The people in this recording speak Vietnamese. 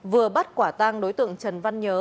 vừa bắt quả tang đối tượng trần văn nhớ